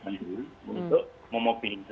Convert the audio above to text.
ini juga sesuatu yang luar biasa